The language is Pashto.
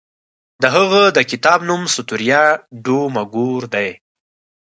د هغه د کتاب نوم ستوریا ډو مګور دی.